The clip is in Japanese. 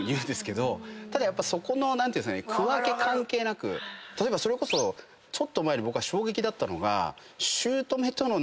ただそこの区分け関係なくそれこそちょっと前に僕が衝撃だったのが。